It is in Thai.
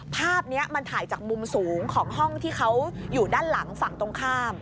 ภาพนี้มันถ่ายจากมุมสูงของห้องที่เขาอยู่ด้านหลังฝั่งตรงข้าม